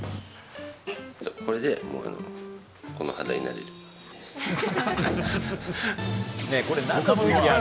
これでこの肌になれる。